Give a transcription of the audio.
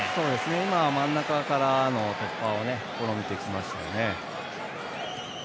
今は真ん中からの突破を試みてきましたよね。